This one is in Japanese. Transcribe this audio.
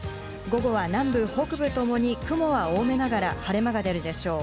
午後は南部北部ともに雲は多めながら晴れ間が出るでしょう。